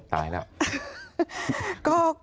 ตายแล้ว